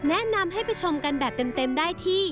แนะนำให้ไปชมกันแบบเต็มได้ที่